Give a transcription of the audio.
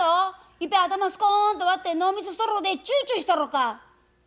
いっぺん頭スコーンと割って脳みそストローでチューチューしたろか。